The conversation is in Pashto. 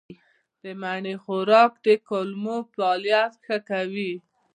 د مڼې خوراک د کولمو فعالیت ښه کوي.